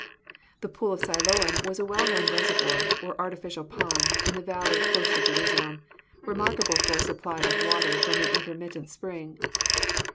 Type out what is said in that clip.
I'he pool of Siloam was a well known reservoir, or artificial pond, in a valley close to Jerusalem, remarkable for a supply of water from an intermittent spring.